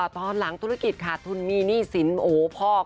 ตอนหลังธุรกิจค่ะทุนมีหนี้สินโอ้พอก